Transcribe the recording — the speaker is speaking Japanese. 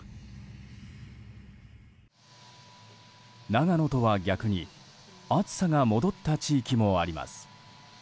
長野とは逆に暑さが戻った地域もあります。